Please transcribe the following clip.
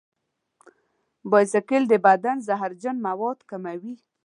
بایسکل د بدن زهرجن مواد کموي.